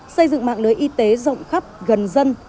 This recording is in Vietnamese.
xây dựng mạng lưới y tế rộng khắp gần dân